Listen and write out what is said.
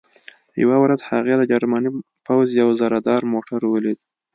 یوه ورځ هغې د جرمني پوځ یو زرهدار موټر ولید